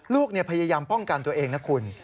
ลูกพยายามป้องกันตัวเองนะคุณ